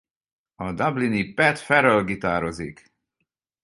A dublini Pat Farrell gitározik.